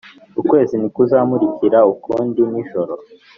ukwezi ntikuzakumurikira ukundi nijoro: